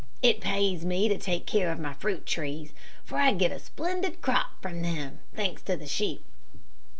It pays me to take care of my fruit trees, for I get a splendid crop from them, thanks to the sheep."